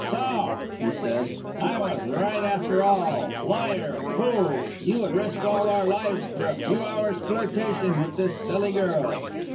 "So," he said, "I was right after all liar! fool! You would risk all our lives for a few hours' flirtation with this silly girl."